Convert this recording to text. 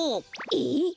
えっ！？